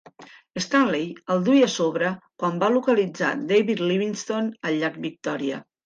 Stanley el duia a sobre quan va localitzar David Livingstone al llac Victòria.